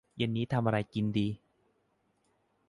เย็นนี้ทำอะไรกินดี